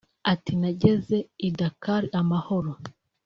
Ati “Nageze i Dakar amahoro